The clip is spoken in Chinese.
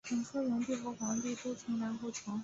传说炎帝和黄帝都曾来过长沙。